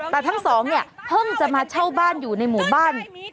แต่ทั้งสองเนี่ยเพิ่งจะมาเช่าบ้านอยู่ในหมู่บ้าน